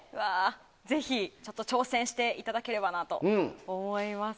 ぜひ、挑戦していただければなと思います。